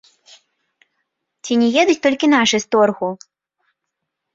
Ці не едуць толькі нашы з торгу!